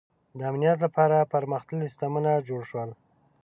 • د امنیت لپاره پرمختللي سیستمونه جوړ شول.